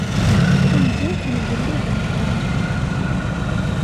Tamdint n ugellid ameqqran.